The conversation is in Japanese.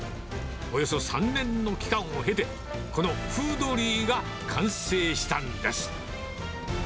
およそ３年の期間を経て、このフードリーが完成したんです。